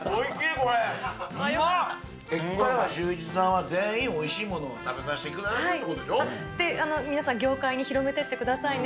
結果、シューイチさんは全員、おいしいものを食べさせてくださるっていうことでしょ？って皆さん、業界に広めてってくださいね。